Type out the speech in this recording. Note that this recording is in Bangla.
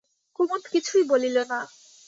কুমুদ কিছুই বলিল না।